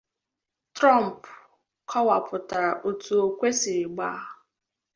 Trump kọwapụtara otu okwe siri gbaa